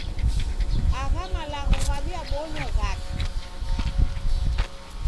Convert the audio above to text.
Agha malagho kwaw'iabonya ghaki?